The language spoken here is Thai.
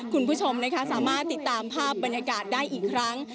คุณผู้ชมนะคะสามารถติดตามภาพบรรยากาศได้อีกครั้ง